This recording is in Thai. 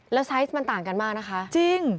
แล้วไซส์มันต่างกันมากนะคะจริง